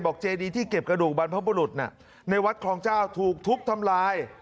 เจดีที่เก็บกระดูกบรรพบุรุษในวัดคลองเจ้าถูกทุบทำลาย